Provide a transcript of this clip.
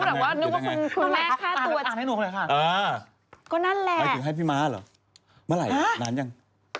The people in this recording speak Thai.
หมายถึงให้พี่ม้าหรอเมื่อไหร่นานยัง